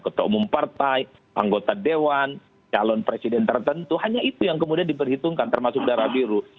ketua umum partai anggota dewan calon presiden tertentu hanya itu yang kemudian diperhitungkan termasuk darah biru